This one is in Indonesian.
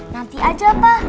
nanti aja pak